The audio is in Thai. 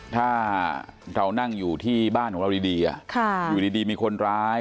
ถ้าเรานั่งอยู่ที่บ้านของเราดีอยู่ดีมีคนร้าย